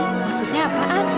eh tapi maksudnya apaan